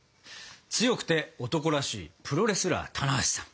強くて男らしいプロレスラー棚橋さん。